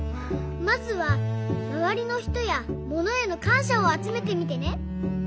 まずはまわりのひとやものへのかんしゃをあつめてみてね。